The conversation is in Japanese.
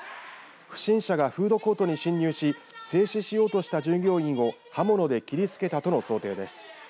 不審者がフードコートに侵入し制止しようとした従業員を刃物で切りつけたとの想定です。